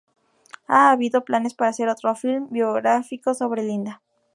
Ha habido planes para hacer otro film biográfico sobre Linda.